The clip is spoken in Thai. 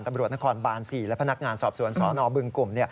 ตำรวจนครบาน๔และพนักงานสอบสวนสนบึงกลุ่ม